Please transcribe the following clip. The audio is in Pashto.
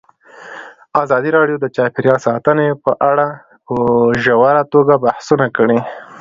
ازادي راډیو د چاپیریال ساتنه په اړه په ژوره توګه بحثونه کړي.